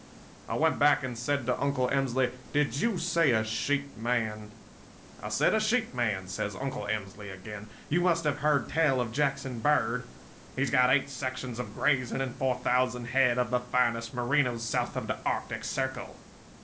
"I went back and said to Uncle Emsley: 'Did you say a sheep man?' "'I said a sheep man,' says Uncle Emsley again. 'You must have heard tell of Jackson Bird. He's got eight sections of grazing and four thousand head of the finest Merinos south of the Arctic Circle.